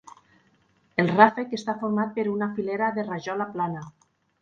El ràfec està format per una filera de rajola plana.